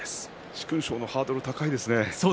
殊勲賞のハードル高いですね。